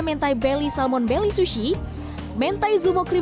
mental belly salmon beli sushi mentai sumo krim delapan puluh satu